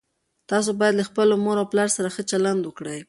تاسو باید له خپلو مور او پلار سره ښه چلند وکړئ.